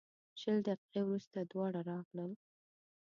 شل دقیقې وروسته دواړه راغلل.